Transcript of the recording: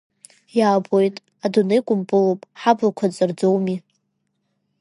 Иаабоит, адунеи кәмпылуп, ҳаблақәа ҵарӡоуми…